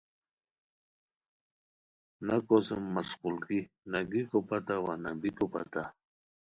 نہ کوسوم مشقولگی، نہ گیکو پتہ وا نہ بیکو پتہ